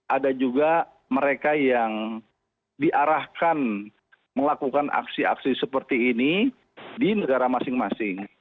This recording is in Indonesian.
ada juga mereka yang diarahkan melakukan aksi aksi seperti ini di negara masing masing